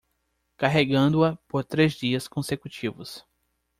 Carregando-a por três dias consecutivos